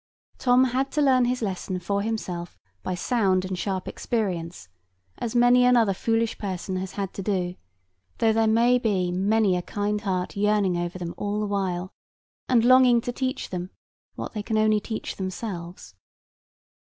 Tom had to learn his lesson for himself by sound and sharp experience, as many another foolish person has to do, though there may be many a kind heart yearning over them all the while, and longing to teach them what they can only teach themselves.